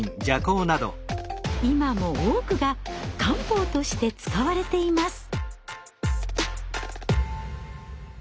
今も多くが漢方として使われています。